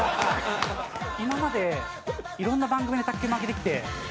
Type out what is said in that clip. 今まで色んな番組で卓球負けてきて。